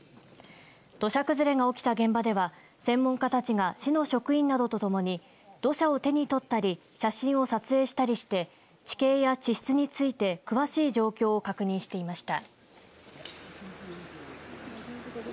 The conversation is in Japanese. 土砂崩れが起きた現場では専門家たちが市の職員などと共に土砂を手に取ったり写真を撮影したりして地形や地質について詳しい状況を確認していました。